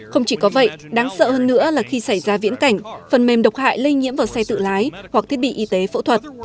không chỉ có vậy đáng sợ hơn nữa là khi xảy ra viễn cảnh phần mềm độc hại lây nhiễm vào xe tự lái hoặc thiết bị y tế phẫu thuật